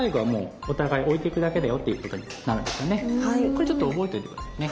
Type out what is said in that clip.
これちょっと覚えといて下さいね。